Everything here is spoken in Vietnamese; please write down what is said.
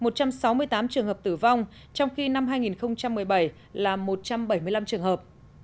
một trăm sáu mươi tám trường hợp tử vong trong khi năm hai nghìn một mươi bảy là một trăm bảy mươi năm trường hợp